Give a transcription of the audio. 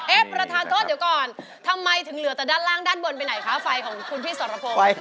ประธานโทษเดี๋ยวก่อนทำไมถึงเหลือแต่ด้านล่างด้านบนไปไหนคะไฟของคุณพี่สรพงศ์